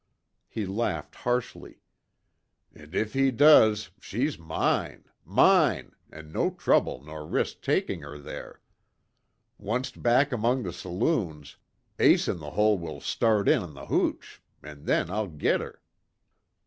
He laughed harshly, "An' if he does, she's mine mine, an' no trouble nor risk takin' her there! Onct back among the saloons, Ace In The Hole will start in on the hooch an' then I'll git her."